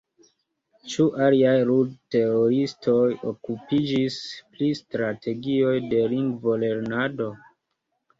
Ĉu aliaj lud-teoriistoj okupiĝis pri strategioj de lingvolernado?